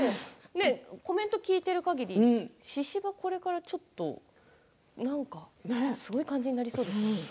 コメントを聞いているかぎりししばはこれからちょっと何かすごい感じになりそうですね。